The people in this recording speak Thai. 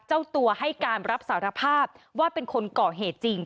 เจ้าตัวให้การรับสารภาพว่าเป็นคนก่อเหตุจริง